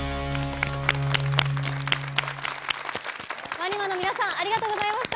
ＷＡＮＩＭＡ の皆さんありがとうございました。